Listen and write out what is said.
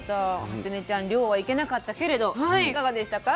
初音ちゃん漁は行けなかったけれどいかがでしたか？